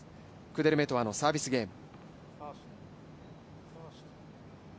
クデルメトワのサービスゲーム。